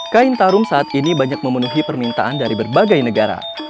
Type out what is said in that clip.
kain tarum saat ini banyak memenuhi permintaan dari berbagai negara